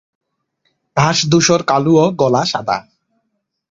ঘাড় ধূসর-কালো ও গলা সাদা।